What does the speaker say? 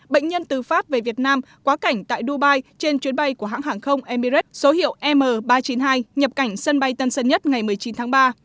bệnh nhân từ pháp về việt nam quá cảnh tại dubai trên chuyến bay của hãng hàng không emirates số hiệu m ba trăm chín mươi hai nhập cảnh sân bay tân sân nhất ngày một mươi chín tháng ba